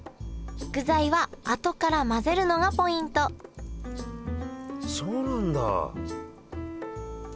具材はあとから混ぜるのがポイントそうなんだ。